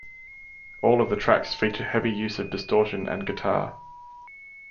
All of the tracks feature heavy use of distortion and guitar.